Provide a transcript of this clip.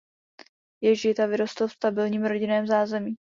Je Žid a vyrostl v "stabilním rodinném zázemí".